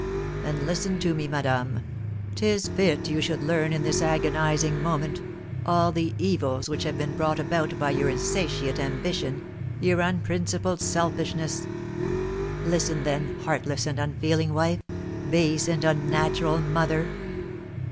Then, listen to me, madame! 'Tis fit you should learn in this agonising moment all the evils which have been brought about by your insatiate ambition, your unprincipled selfishness! Listen, then, heartless and unfeeling wife, base and unnatural mother!"